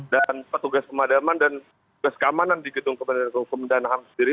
dan petugas pemadaman dan pesekamanan di gedung kementerian hukum dan ham sendiri